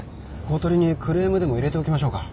公取にクレームでも入れておきましょうか？